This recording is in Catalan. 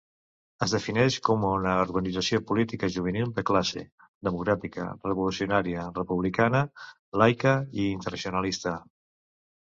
Es defineix com una organització política juvenil de classe, democràtica, revolucionària, republicana, laica i internacionalista.